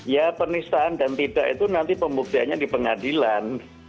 ya penistaan dan tidak itu nanti pembuktiannya di pengadilan